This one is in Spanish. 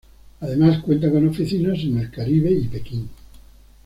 Además cuenta con oficinas en el Caribe y Pekín.